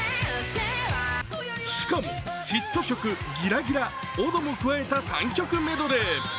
しかもヒット曲「ギラギラ」「踊」も加えた３曲メドレー